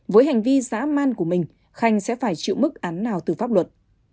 với hành vi giã man của mình khanh sẽ phải chịu mức án nào từ pháp luật